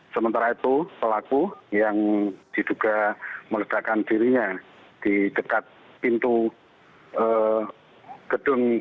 sementara itu pelaku yang diduga meledakan dirinya di dekat pintu gedung